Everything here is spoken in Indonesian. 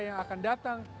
yang akan datang